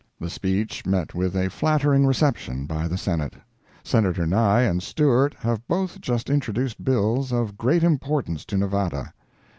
The speech met with a flattering reception by the Senate. Senator Nye and Stewart have both just introduced bills of great importance to Nevada.